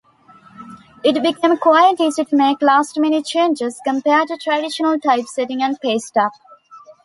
It became quite easy to make last-minute changes compared to traditional typesetting and pasteup.